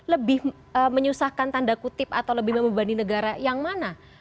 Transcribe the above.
lebih menyusahkan tanda kutip atau lebih membebani negara yang mana